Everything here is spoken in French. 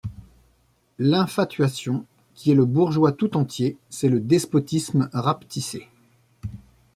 L’infatuation, qui est le bourgeois tout entier, c’est le despotisme rapetissé.